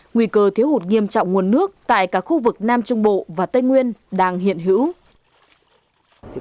nguy cơ thiếu hụt nghiêm trọng nguồn nước tại cả khu vực nam trung bộ và tây nguyên đang hiện hữu